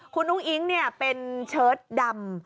คุณอุ้งอิ๊งเป็นเชิดดำ